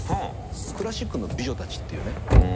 「クラシックの美女たち」っていう。